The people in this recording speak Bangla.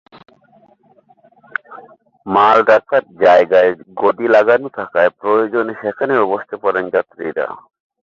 মাল রাখার জায়গায় গদি লাগানো থাকায় প্রয়োজনে সেখানেও বসতে পারেন যাত্রীরা।